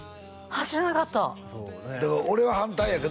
知らなかった「俺は反対やけど」